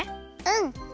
うん。